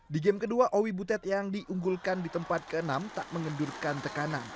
di game kedua owi butet yang diunggulkan di tempat ke enam tak mengendurkan tekanan